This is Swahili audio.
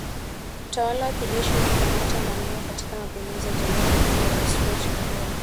Utawala wa kijeshi ulikamata mamlaka katika mapinduzi ya Januari dhidi ya Raisi Roch Kabore